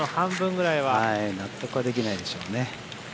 納得はできないでしょうね。